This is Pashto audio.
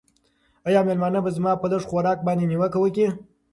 آیا مېلمانه به زما په لږ خوراک باندې نیوکه وکړي؟